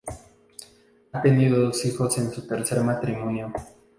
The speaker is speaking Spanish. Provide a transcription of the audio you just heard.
Ha tenido dos hijos en su tercer matrimonio.